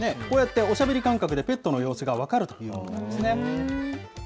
こうやっておしゃべり感覚で、ペットの様子が分かるというものなんですね。